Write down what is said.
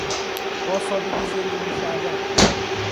با سادگی زندگی کردن